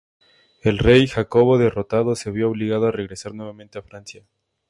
El rey Jacobo derrotado se vio obligado a regresar nuevamente a Francia.